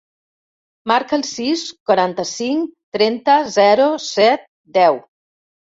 Marca el sis, quaranta-cinc, trenta, zero, set, deu.